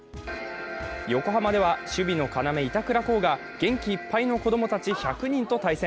横浜では守備の要、板倉滉が元気いっぱいの子供たち１００人と対戦。